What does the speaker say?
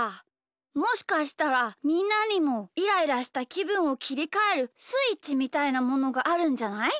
もしかしたらみんなにもイライラしたきぶんをきりかえるスイッチみたいなものがあるんじゃない？